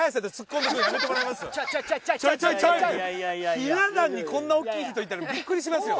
ひな壇にこんな大きい人いたらビックリしますよ。